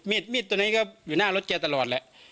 มีดตัวนี้ก็อยู่หน้ารถแกตลอดแหละ